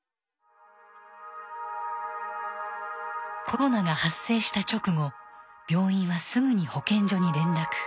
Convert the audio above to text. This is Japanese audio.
コロナが発生した直後病院はすぐに保健所に連絡。